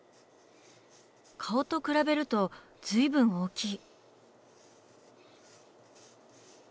顔と比べるとずいぶん大きい。